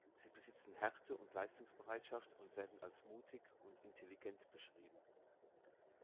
Sie besitzen Härte und Leistungsbereitschaft und werden als mutig und intelligent beschrieben.